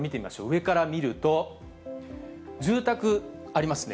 上から見ると、住宅ありますね。